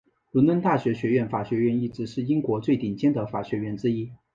伦敦大学学院法学院一直是英国最顶尖的法学院之一。